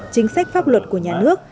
chính sách pháp luật của nhà nước